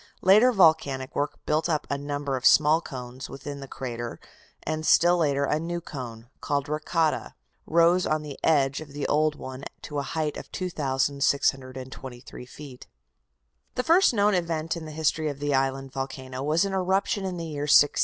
Later volcanic work built up a number of small cones within the crater, and still later a new cone, called Rakata, rose on the edge of the old one to a height of 2,623 feet. The first known event in the history of the island volcano was an eruption in the year 1680.